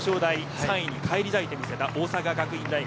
３位に返り咲いてみせた大阪学院大学。